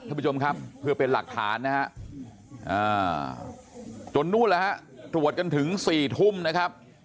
ท่านผู้ชมครับเพื่อเป็นหลักฐานนะฮะจนนู่นแล้วฮะตรวจกันถึง๔ทุ่มนะครับ